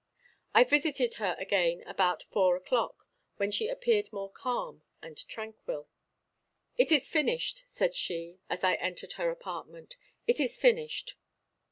I visited her again about four o'clock; when she appeared more calm and tranquil. "It is finished," said she, as I entered her apartment; "it is finished."